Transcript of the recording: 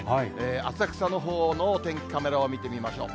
浅草のほうのお天気カメラを見てみましょう。